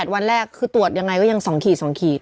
วันแรกคือตรวจยังไงก็ยัง๒ขีด๒ขีด